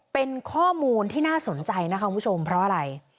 เป็นข้อมูลที่น่าสนใจนะคะคุณผู้ชมเพราะอะไร